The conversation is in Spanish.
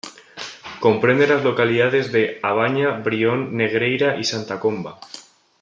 Comprende las localidades de A Baña, Brión, Negreira y Santa Comba.